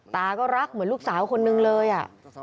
ตาก็รักเหมือนลูกสาวคนนึงเลย